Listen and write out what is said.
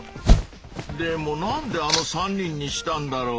でもなんであの３人にしたんだろう？